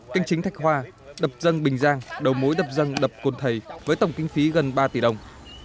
canh chính thạch hoa đập dân bình giang đầu mối đập dân đập cồn thầy với tổng kinh phí gần ba tỷ đồng